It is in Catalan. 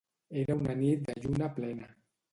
Era una nit de lluna plena.